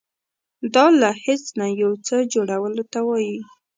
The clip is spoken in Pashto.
دا له هیڅ نه یو څه جوړولو ته وایي.